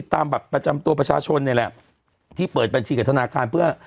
ตามบัตรประจำตัวประชาชนนี่แหละที่เปิดบัญชีกับธนาคารเพื่อ